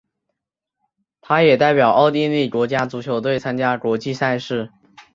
他也代表奥地利国家足球队参加国际赛事。